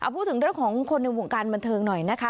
พูดถึงเรื่องของคนในวงการบันเทิงหน่อยนะคะ